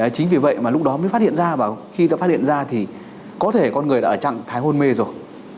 chính vì vậy mà lúc đó mới phát hiện ra và khi ta phát hiện ra thì có thể con người đã ở trạng thái hôn mê rồi